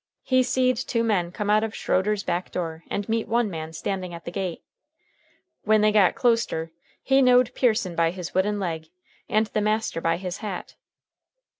He seed two men come out of Schroeder's back door and meet one man standing at the gate. When they got closter he knowed Pearson by his wooden leg and the master by his hat.